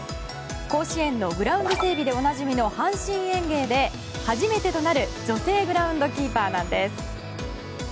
甲子園のグラウンド整備でおなじみの阪神園芸で初めてとなる女性グラウンドキーパーです。